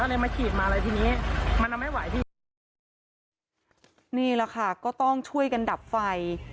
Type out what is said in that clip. ก็เลยมาขีดมาเลยทีนี้มันนำให้ไหวพี่นี่แหละค่ะก็ต้องช่วยกันดับไฟ